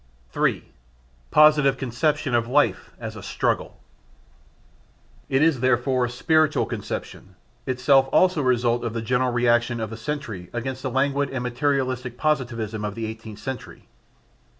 3. Positive Conception of Life as a Struggle. It is therefore a spiritual conception, itself also a result of the general reaction of the Century against the languid and materialistic positivism of the Eighteenth Century.